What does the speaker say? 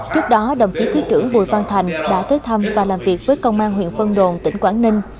trước đó đồng chí thứ trưởng bùi văn thành đã tới thăm và làm việc với công an huyện vân đồn tỉnh quảng ninh